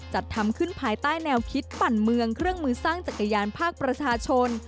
จัดทำขึ้นภายใต้แนวคิดปั่นเมืองเครื่องมือสร้างจักรยานภาคประชาชน